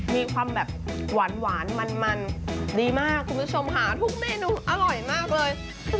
มีความแบบหวานมันดีมากคุณผู้ชมค่ะทุกเมนูอร่อยมากเลย